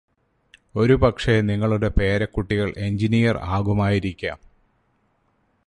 ഒരു പക്ഷെ നിങ്ങളുടെ പേരക്കുട്ടികൾ എഞ്ചിനീയർ ആകുമായിരിക്കാം